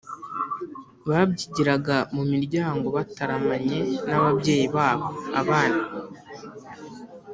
Babyigiraga mu miryango bataramanye n’ababyeyi babo. Abana